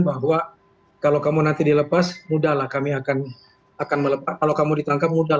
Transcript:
bahwa kalau kamu nanti dilepas mudah lah kami akan akan melepas kalau kamu ditangkap mudah